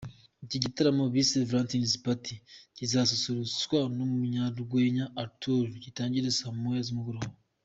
Iki gitaramo bise Valentines Party kizasusurutswa n’umunyarwenya Arthur, gitangire saa moya z’umugoroba.